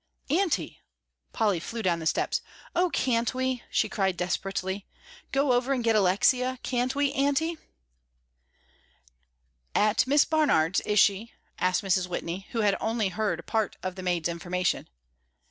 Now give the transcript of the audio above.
"Aunty," Polly flew down the steps, "oh, can't we," she cried desperately, "go over and get Alexia; can't we, Aunty?" "At Miss Barnard's, is she?" asked Mrs. Whitney, who had heard only part of the maid's information.